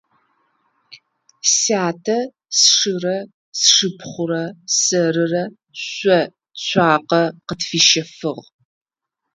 Сятэ сшырэ сшыпхъурэ сэрырэ шъо цуакъэ къытфищэфыгъ.